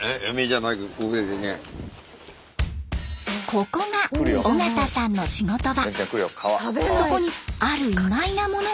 ここが尾形さんの仕事場。